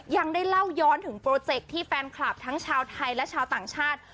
ยังได้เล่าย้อนถึงโปรเจคที่แฟนคลับทั้งชาวไทยและชาวต่างชาติ